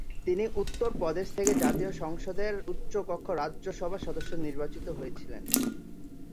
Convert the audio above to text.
তিনি উত্তর প্রদেশ থেকে জাতীয় সংসদের উচ্চকক্ষ রাজ্যসভার সদস্য নির্বাচিত হয়েছিলেন।